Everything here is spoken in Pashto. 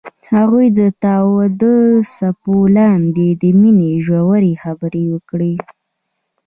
هغوی د تاوده څپو لاندې د مینې ژورې خبرې وکړې.